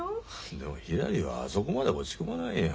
でもひらりはあそこまで落ち込まないよ。